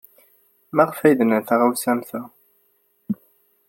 Maɣef ay d-nnan taɣawsa am ta?